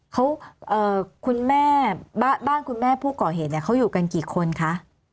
เขาคุณแม่บ้านคุณแม่ผู้ก่อเหตุเนี่ยเขาอยู่กันกี่คนคะ